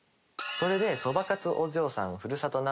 それで。